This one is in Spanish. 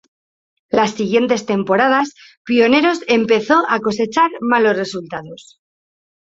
Las siguientes temporadas Pioneros empezó a cosechar malos resultados.